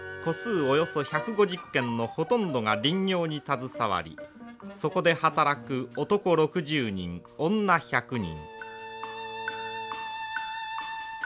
およそ１５０軒のほとんどが林業に携わりそこで働く男６０人女１００人。